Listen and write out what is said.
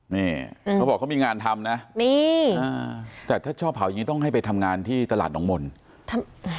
นี่เขาบอกเขามีงานทำนะมีอ่าแต่ถ้าชอบเผาอย่างงี้ต้องให้ไปทำงานที่ตลาดหนองมนต์ทำ